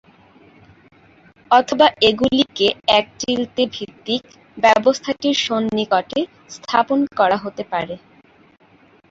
অথবা এগুলিকে এক চিলতে-ভিত্তিক ব্যবস্থাটির সন্নিকটে স্থাপন করা হতে পারে।